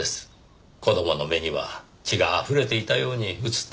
子供の目には血があふれていたように映ったのでしょう。